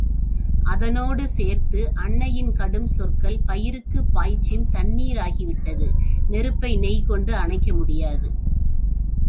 அதனோடு சேர்த்து அன்னையின் கடுஞ்சொற்கள் பயிருக்குப் பாய்ச்சும் தண்ணீர் ஆகிவிட்டது. நெருப்பை நெய்கொண்டு அணைக்க முடியாது.